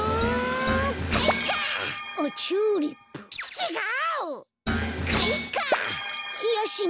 ちがう！